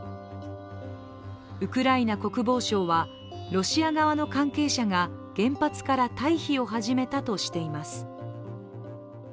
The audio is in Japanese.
ウクライナ国防省は、ロシア側の関係者が原発から退避を始めたとしています。